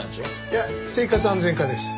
いや生活安全課です。